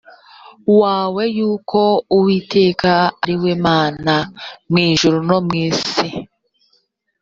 wawe yuko uwiteka ari we mana mu ijuru no mu isi